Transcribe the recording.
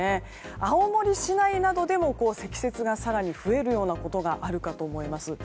青森市内などでも積雪が更に増えるようなことがあるかと思います。